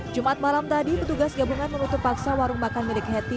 jumat malam tadi petugas gabungan menutup paksa warung makan milik hetty